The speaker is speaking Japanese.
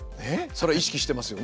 それは意識してますよね？